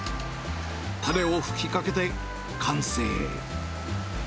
タレを吹きかけて完成。